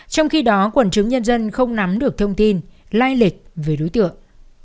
trong khi đó quần chúng nhân dân không nắm được thông tin lai lịch về đối tượng